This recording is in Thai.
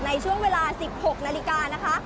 ในช่วงเวลา๑๖นาฬิกานะคะ